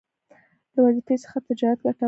له وظيفې څخه تجارت ګټور دی